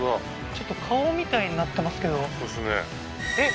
ちょっと顔みたいになってますけどそうですねえっ